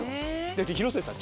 広末さん